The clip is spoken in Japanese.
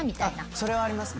それはありますね。